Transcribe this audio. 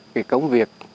cái công việc